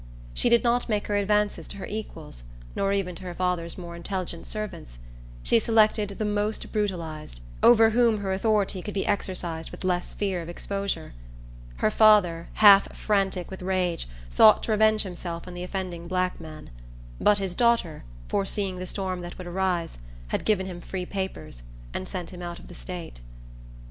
She did not make her advances to her equals, nor even to her father's more intelligent servants. She selected the most brutalized, over whom her authority could be exercised with less fear of exposure. Her father, half frantic with rage, sought to revenge himself on the offending black man; but his daughter, foreseeing the storm that would arise, had given him free papers, and sent him out of the state.